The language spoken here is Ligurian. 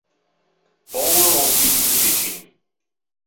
Poulo o l’é o figgio ciù piccin.